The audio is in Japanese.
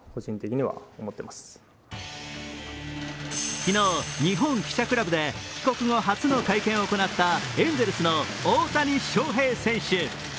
昨日、日本記者クラブで帰国後初の会見を行ったエンゼルスの大谷翔平選手。